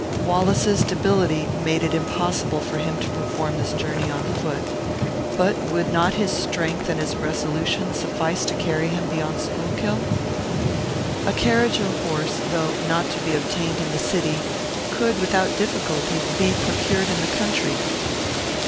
Wallace's debility made it impossible for him to perform this journey on foot; but would not his strength and his resolution suffice to carry him beyond Schuylkill? A carriage or horse, though not to be obtained in the city, could, without difficulty, be procured in the country.